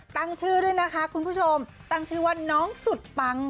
ตั้งชื่อด้วยนะคะคุณผู้ชมตั้งชื่อว่าน้องสุดปัง